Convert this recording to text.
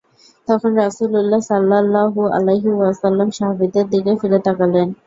তখন রাসূলুল্লাহ সাল্লাল্লাহু আলাইহি ওয়াসাল্লাম সাহাবীদের দিকে ফিরে তাকালেন।